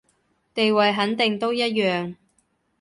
地位肯定都一樣